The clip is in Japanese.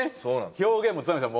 表現も都並さん